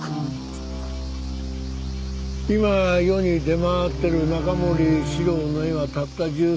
今世に出回ってる中森司郎の絵はたった十数点。